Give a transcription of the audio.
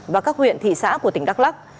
và các huyện thị xã của tỉnh đắk lắk